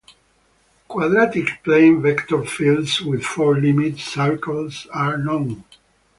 Quadratic plane vector fields with four limit cycles are known.